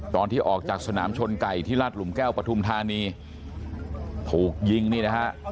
ตอนที่ออกจากสนามชนไก่ที่ราชหลุมแก้วปฐุมธานีถูกยิงนี่นะฮะ